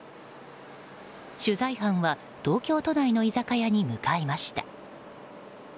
取材班は、東京都内の居酒屋に向かいました。